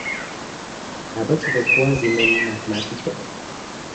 بابەتی دڵخوازی من ماتماتیکە.